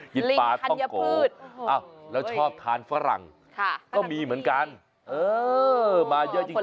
ลิงธัญพืชอ้าวแล้วชอบทานฝรั่งค่ะก็มีเหมือนกันเออมาเยอะจริงจริง